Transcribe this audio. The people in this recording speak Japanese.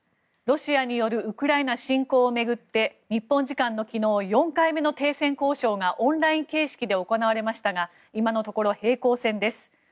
ロシアによるウクライナ侵攻を巡って日本時間の昨日４回目の停戦交渉がオンライン形式で行われましたが今のところ平行線です。